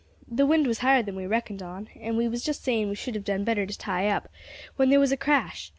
The wind was higher than we reckoned on, and we was just saying we should have done better to tie up, when there was a crash.